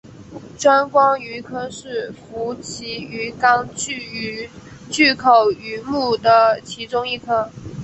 钻光鱼科是辐鳍鱼纲巨口鱼目的其中一科。